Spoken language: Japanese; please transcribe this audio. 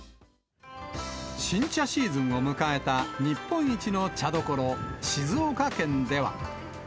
新茶シーズンを迎えた日本一の茶どころ、静岡県では。